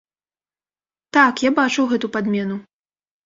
Так, я бачу гэту падмену.